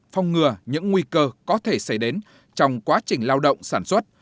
phong ngừa những nguy cơ có thể xảy đến trong quá trình lao động sản xuất